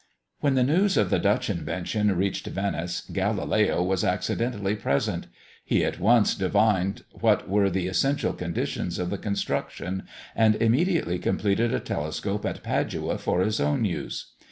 When the news of the Dutch invention reached Venice, Galileo was accidentally present; he at once divined what were the essential conditions of the construction, and immediately completed a telescope at Padua for his own use.